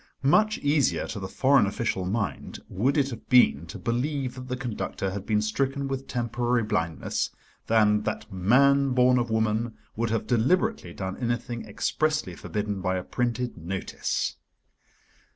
Much easier to the foreign official mind would it have been to believe that the conductor had been stricken with temporary blindness, than that man born of woman would have deliberately done anything expressly forbidden by a printed notice.